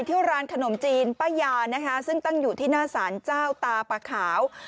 ที่ร้านขนมจีนป้ายานะคะซึ่งตั้งอยู่ที่หน้าสารเจ้าตาปะขาว